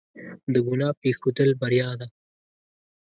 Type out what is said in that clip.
د ګناه پرېښودل بریا ده.